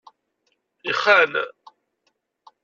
Ixxan.